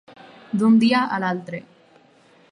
D'un dia a l'altre.